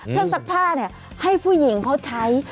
เพิ่มสักผ้าให้ผู้หญิงเขาใช้